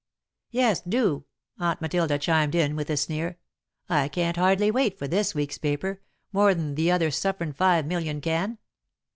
"Yes, do," Aunt Matilda chimed in, with a sneer. "I can't hardly wait for this week's paper, more'n the other sufferin' five million can.